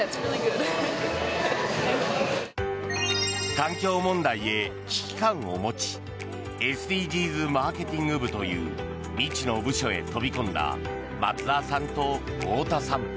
環境問題へ危機感を持ちＳＤＧｓマーケティング部という未知の部署へ飛び込んだ松澤さんと太田さん。